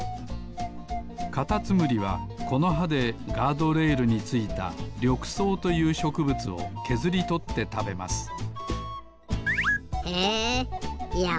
カタツムリはこのはでガードレールについたりょくそうというしょくぶつをけずりとってたべますへえいや